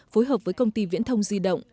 phối hợp với công ty viễn thông di động